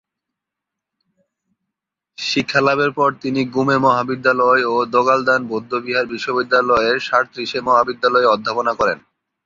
শিক্ষালাভের পর তিনি গ্যুমে মহাবিদ্যালয় ও দ্গা'-ল্দান বৌদ্ধবিহার বিশ্ববিদ্যালয়ের শার-র্ত্সে মহাবিদ্যালয়ে অধ্যাপনা করেন।